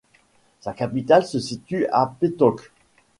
Sa capitale se situe à Petauke.